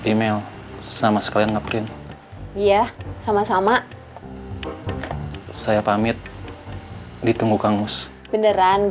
ya udah agak lumayan ini